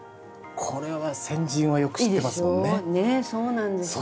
これは先人はよく知ってますもんね。